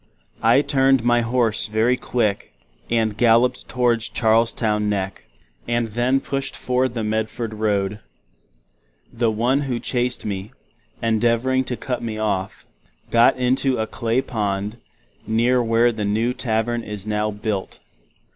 I turned my Horse very quick, and Galloped towards Charlestown neck, and then pushed for the Medford Road. The one who chased me, endeavoring to Cut me off, got into a Clay pond, near where the new Tavern is now built.